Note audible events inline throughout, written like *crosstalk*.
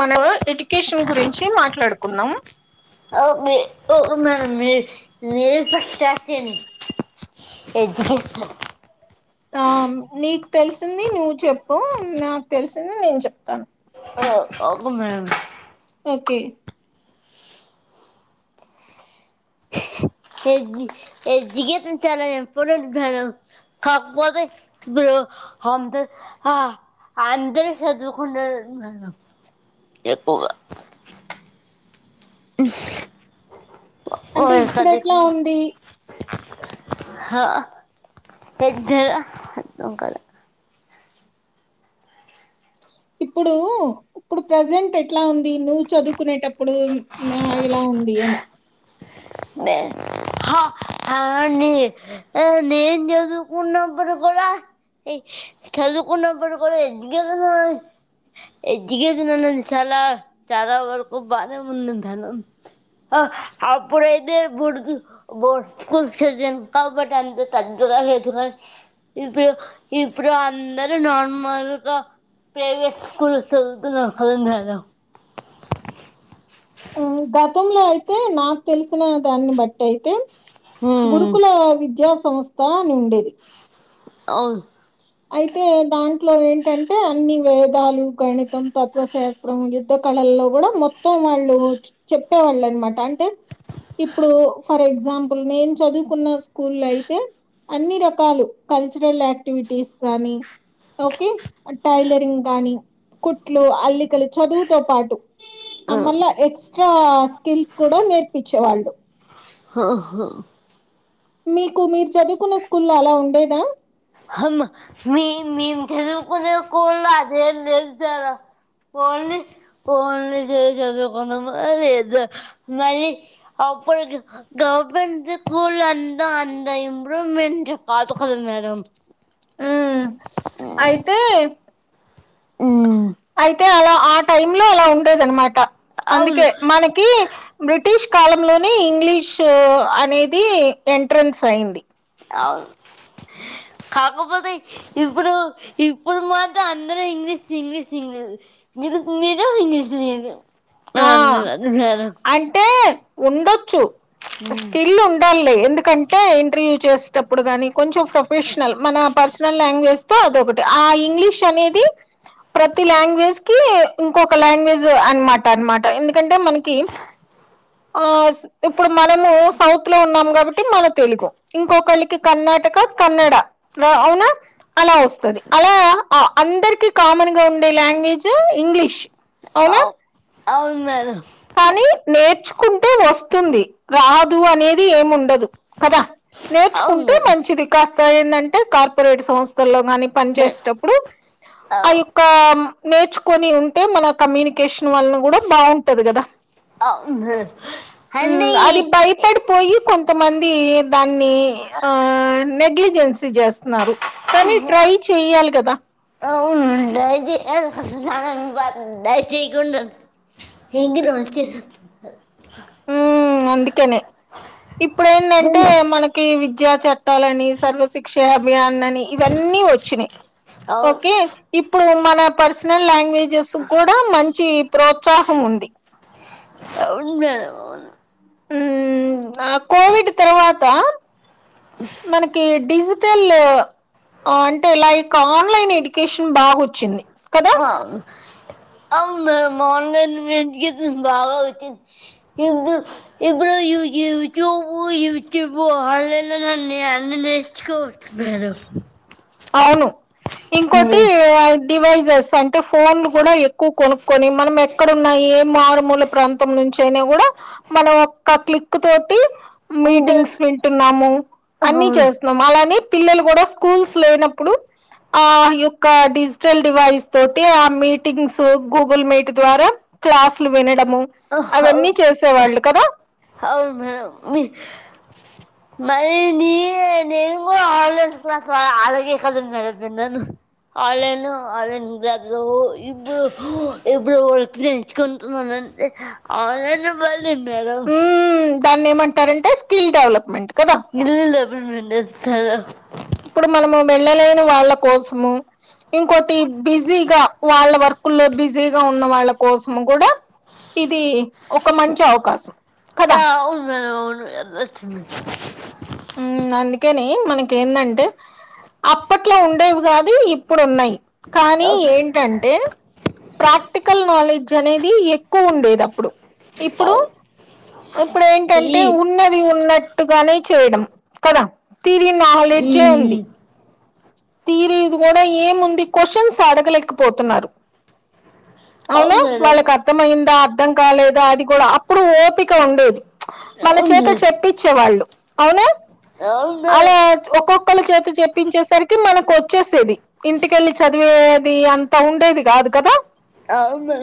మన education గురించి మాట్లాడుక్ కున్నాం అ మ అ మ న మీరే ఫస్ట్ స్టార్ట్ చేయండి. ఎడ్యుకేషన్ ఆ నీకు తెలిసింది నువ్వు చెప్పు. నాకు తెలిసింది నేను చెప్తాను. ఆ అవునా ఓకే ఏడ్జు ఎడ్యుకేషన్ చాలా ఇంపార్టెంట్ మేడమ్. కాకపోతే ఇప్పుడు హా-అందరు సదువుకుంటున్నారు ఎక్కువ. *unintelligible* అంటే ఇప్పుడు ఎట్లా ఉంది. హా ఏడ్జు అర్థంకాల ఇప్పుడు ఇప్పుడు ప్రజెంట్ ఎట్లా ఉంది. నువ్వు చదువుకునేటప్పుడు ఏలా ఉంది అని నే హా ఆ నేను చదువుకున్నప్పుడు కూడా చదువుకున్నప్పుడు కూడా ఎడ్యుకేషన్ ఎడ్యుకేషన్ అన్నది చాలా చాలా వరకు బానే ఉంది మేడం. ఇప్పుడైతే బుడు బోర్డ్ స్కూల్ చదివాను కాబట్టి అంత పెద్దగా లేదు కానీ, ఇప్పుడు ఇప్పుడు అందరు నార్మల్గా ప్రైవేట్ స్కూల్ చదువుతున్నారు కదా మేడం. గతంలో అయితే నాకు తెలిసిన దాన్ని బట్టైతే గురుకుల విద్యా సంస్థనుండేది. అవున్ అయితే దాంట్లో ఏంటంటే అన్ని వేదాలు గణితం, తత్వశాస్త్రం, యుద్ధ కళల్లో కూడా మొత్తం వాళ్ళు చెప్పేవాళ్ళ అనమాట అంటే టె ఇప్పుడు ఫర్ ఎగ్జా ఎగ్జాంపుల్ నేను చదువుకున్న స్కూల్ అయితే, అన్ని రకాలు కల్చరల్ యాక్టివిటీస్ ని ఓకే టైలరింగ్ గానీ కుట్లు, అల్లికలు చదువుతో పాటు అమ్మల్ల అవును ఎస్ ఆ స్కిల్స్ కూడా నేర్పించేవాళ్ళు. ఆహా మీకు మీరు చదువుకున్న స్కూల్లో అలా ఉండేదా. అమ్మ మీ మేము చదువుకునే స్కూళ అదే లేదు. సారా ఫోన్లీ ఫోన్లీ చదువుకున్నామా లేదా మరి అప్పుడు గవర్నమెంట్ స్కూల్ అంతా అంతా ఇంప్రూవ్మెంట్ కాదు కదా మేడం. ఉ అయితే అయితే అయి అలా ఆ టై లో అలా ఉండేదనమాట. అవును అందుకే మనకి బ్రిటిష్ కాలంలోనే ఇంగ్లీష్ అనేది ఎంట్రన్స్ అయింది. అవును కాకపోతే ఇప్పుడు ఇప్పుడు మాత్రం అందరూ ఇంగ్లీష్ ఇంగ్లీష్ ఇంగ్లీష్ మీరు లేద ఇంగ్లీష్ లేద అ అ సర ఉండ స్కిల్ ఉండాలి ఎందుకంటే ఇంటర్వ్యూ చేసేటప్పుడు కానీ కొంచెం ప్రొఫెషనల్, మన పర్సనల్ లాంగ్వేజ్ తో అదొకటి ఆ ఇంగ్లీష్ సమీది ప్రతి లాంగ్వేజ్ కి ఇంకొక లాంగ్వేజ్ అన్నమాట పనమాట ఎన్ని ఎందుకంటే మనకి ఆ ఇప్పుడు మనము సౌత్ లో ఉన్నాం కాబట్టి మన తెలుగు ఇంకొకళ్ళకి కర్ణాటక కన్నడ అవునా అలా వస్తది అలా అందరికి కామన్ గా ఉండే లాంగ్వేజ్ ఇంగ్లీష్ అవునా అవు అవును మేడం కానీ నేర్చుకుంటే వస్తుంది రాదు అనేది ఏముండదు దు కదా అవును నేర్చుకుంటే మేడం మంచిది కాస్త ఏందంటే కార్పొరేట్ సంస్థల్లో కానీ పని చేసేటప్పుడు ఆ యొక్క నేర్చుకొని ఉంటే మన కమ్యూని నికేషన్ వల్న కూడా బావుం డదు కదా అవును అండి అది భయపడిపోయి కొంతమం ఇ దాన్ని ఆ నెగ్లిజెన్స్ చి చేస్తన్నారు కానీ ట్రై చేయాలి కదా *unintelligible* హ్మ్ అందుకనే ఇప్పుడ ఏంటంటే మనకి వి జ చె టలని సర్వశిక్ష అభియాన్ అని ఇవన్నీ వచ్చినాయి అవును ఓకే ఇప్పుడు మన పరిస్ వచ్చిన లాంగ్వేజ్ జుస్సుకు కూడా మంచి ప్రోత్సాహం ఉంది అవును మేడం అవును హ్మ్ మ్మ్ నా కోవిడ్ తర్వాత మనకి డిజి *unintelligible* అంటే లైక్ ఆన్లైన్ ఎడ్యుకేషన్ బాగా వచ్చింది కదా అవును అవును మేడమ్ ఆన్లైన్ఎడ్యుకేషన్స్ బాగా వచ్చింది ఇప్పుడు ఇప్పుడు యూ యూట్యూబు యూట్యూబు ఆన్లైన్ లోనే అన్నీ నేర్చుకోవచ్చు మేడం అవును ఇంకోటి అ డివైజెస్ అం అ ఫోన్లు కూడా ఎక్కువ కొనుక్కొని మనం ఎ ఎక్కడన్న ఏ మారుమూల ప్రాంతం నుంచి అయినా కూడా మనం ఒక్క క్లిక్ తోటి మీటింగ్స్ వింటున్నాము అన్ని అవును చేస్తున్నాము అలాని పిల్లలు కూడా స్కూల్స్ లేనప్పుడు ఆ యొక్క డిజిటల్ డివైస్ తోటి ఆ మీటింగ్స్ గూగుల్ మీట్ ద్వారా క్లాసులు వినడం ము అవును అవన్నీ చేసేవాళ్ళు కదా. అవును మేడం మరి ని నేను కూడా ఆన్లైన్ క్లాస్ ఆలాగే కదం మేడం విన్నాను. ఆన్లైన్ ఆన్లైన్ క్లాస్ ఇప్పుడు ఇప్పుడు వర్క్ నేర్చు కుంటున్నానుంటే ఆన్లైన్ల్ నేను మేడం ఉమ్ దాన్ని ఏమంటారంటే స్కిల్ డెవలప్మెంట్. కదా ఇల్ర్ఇ *unintelligible* ఉండవచ్చు కదా. ఇప్పుడు మనము వెళ్ళలేని వాళ్ళ కోసము, ఇంకోటి బిజీగా వాళ్ళ వర్కుల్లో బిజీగా ఉన్న వాళ్ళ కోసము, కూడా ఇది ఒక మంచి అవకాశం. కదా ఆ అవును మేడమ్ ఉండోచ్ ఉమ్, అందుకని మనకి ఏందంటే అప్పట్లో ఉండేవి కాదు ఇప్పుడు ఉన్నాయి. కానీ అవు- ఏంటంటే ప్రాక్టికల్ నాలెడ్జ్ అనేది ఎక్కువ ఉండేది అప్పుడు ఇప్పుడు అవు. ఇప్పుడు ఏంటంటే ఈ- ఉన్నది ఉన్నట్ ట్గానే చేయడం కద థిరి ఈ, నాలెడ్జే ఉంది. థిరి ది కూడా ఏముంది క్వశ్చన్స్ అడగలేకపోతున్నారు. అవునా అవును మేడం వాళ్ళకి అర్థమయిందా. అర్థం కాలేదా అది కూడా అప్పుడు ఓపిక ఉండేది. మన అవును చేత మేడం చెప్పిచేవాళ్ళు అవునా అవును అలా మేడం ఒక్కొక్కళ చేత చెప్పించే మనకు వచ్చేసేది ఇంటికెళ్ళి చదివేది అంత ఉండేది కాదు కదా. అవును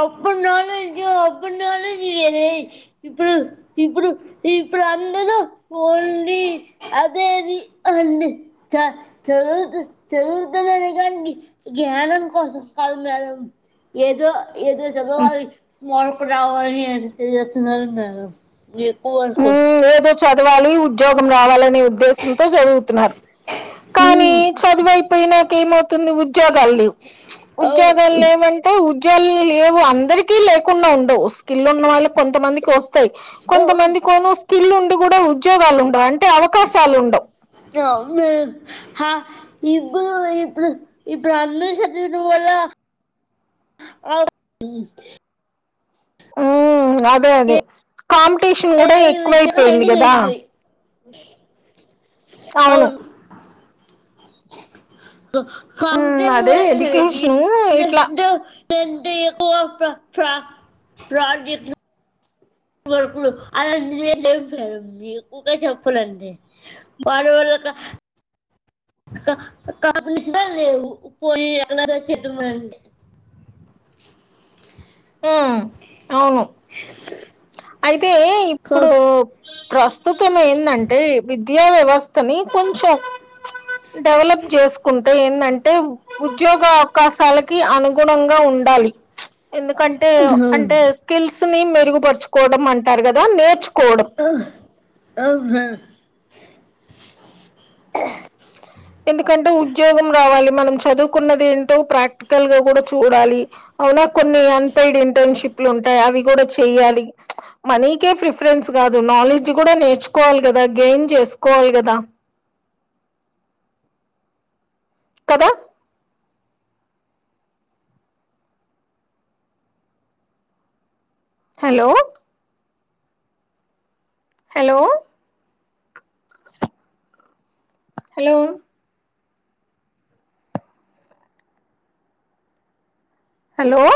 అప్పుడు నాల్ అప్పుడు నాలజ్ ఇప్పుడు ఇప్పుడు ఇప్పుడు అందరూలీ అదే అది అ చ చదువు చదువుతుంది. అకండి జ్ఞానం కాదు మేడం ఏదో ఇతే చ వా మ పటావాలు ఎడితే ఎస్తునాన్నా ఎపువకు ఉమ్, ఏదో చదవాలి ఉద్యోగం రావాలనే ఉద్దేశంతో చదువుతున్నారు. కానీ ఉమ్ చదువైపోయినాక ఏమవుతుంది ఉద్యోగాలు లేవు ఉద్యోగాలు అవును లేవంటే ఉద్యోగాలు ఏవు అందరికీ లేకుండా ఉండవు స్కిల్ ఉన్న వాళ్ళకి కొంతమందికి వస్తుంది. వాయి అవును కొంతమంది స్కిల్ ఉండి కూడా ఉద్యోగాలు ఉండంటడి అట్టే అవకాశాలుండవు. ఇ ఇప్పు ఇ బహ్మ శత్ర వల ఉ అదే అదే కా టేషన్ కూడా ఎక్కువ అయిపోయింది కదా తగ్గిపోయి అవును ఉమ్ అదే ఎడ్యుకేషను ఇట్లా *unintelligible* *unintelligible* *unintelligible* హ్మ్ అవును అయితే ఇప్పుడు ప్రస్తుతం ఏందంటే విద్యా వ్యవస్థని కొంచెం డెవలప్ చేసుకుంటే అంటే ఉద్యోగ అవకాశాలకి అనుగుణంగా గా ఉండాలి ఎందుకంటే అంటే స్కిల్స్ తనీ మెరుగు పర్చు కోవడం అంటారు కదా నేర్చు ఆహ్ అహ ఎందుకంటే ఉద్యోగం రావాలి మనం చదువుకున్నది ఏంటో ప్రాక్టికల్ గా కూడా చూడాలి అవునా కొన్ని అన్పయిడ్ ఇంటర్న్షిప్లు ఉంటాయి అవి కూడా చెయ్యాలి మనీకే ప్రిఫరెన్స్ కాదు నాలెడ్జ్ కూడా నేర్చుకోవాలి గదా గెయిన్ చేసుకోవాలి గదా కదా హలో హలో *unintelligible* హలో హలో